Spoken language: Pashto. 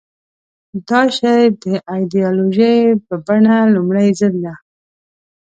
دا شی د ایدیالوژۍ په بڼه لومړي ځل ده.